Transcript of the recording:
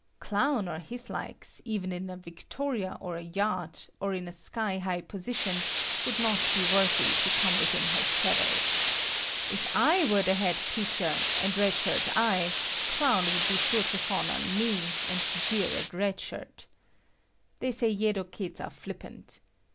Clown or his likes, even in a Victoria or a yacht, or in a sky high position, would not be worthy to come within her shadow. If I were the head teacher, and Red Shirt I, Clown would be sure to fawn on me and jeer at Red Shirt. They say Yedo kids are flippant.